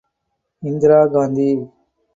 Indira Gandhi.